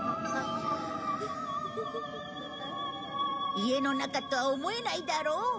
家の中とは思えないだろう？